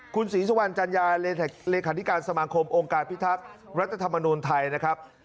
คุณศรีสุวรรณจัญญาโรงการพิทักษ์รัฐธรรมนุนไทยนะครับ